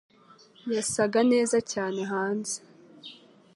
yasaga neza cyane hanze